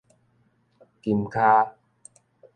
金跤